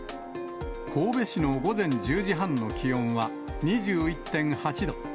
神戸市の午前１０時半の気温は２１．８度。